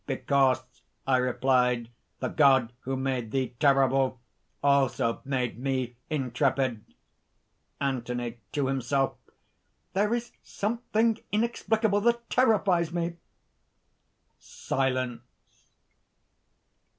'Because,' I replied, 'the God who made thee terrible, also made me intrepid." ANTHONY (to himself). "There is something inexplicable that terrifies me!" (_Silence.